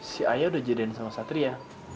si ayah udah jadiin sama satri ya